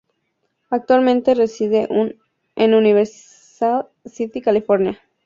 Actualmente reside en Universal City, California.